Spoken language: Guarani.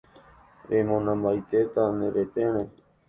remonambaitéta nde retére